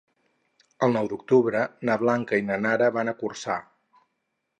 El nou d'octubre na Blanca i na Nara van a Corçà.